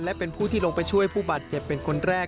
และเป็นผู้ที่ลงไปช่วยผู้บาดเจ็บเป็นคนแรก